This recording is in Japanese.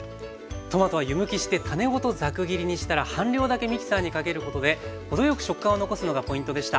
トマトは湯むきして種ごとザク切りにしたら半量だけミキサーにかけることで程よく食感を残すのがポイントでした。